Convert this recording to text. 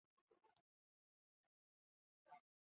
也是喀土穆总教区总主教。